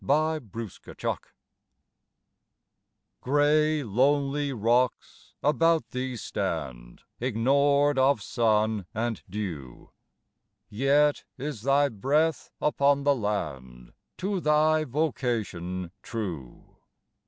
THE COLUMBINE Gray lonely rocks about thee stand, Ignored of sun and dew, Yet is thy breath upon the land, To thy vocation true.